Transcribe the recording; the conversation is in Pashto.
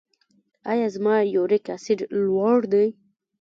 ایا زما یوریک اسید لوړ دی؟